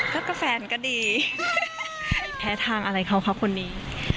ก็ก็แฟนก็ดี